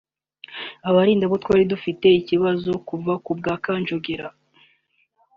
Abarinda bo twari dufite ikibazo kuva kubwa Kanjogera